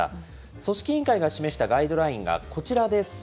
組織委員会が示したガイドラインがこちらです。